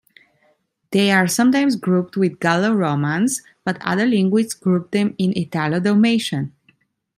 They are sometimes grouped with Gallo-Romance, but other linguists group them in Italo-Dalmatian.